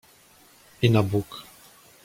"I na Bóg!"